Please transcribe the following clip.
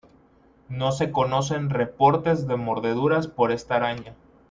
No se conocen reportes de mordeduras por esta araña.